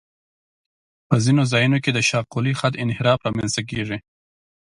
په ځینو ځایونو کې د شاقولي خط انحراف رامنځته کیږي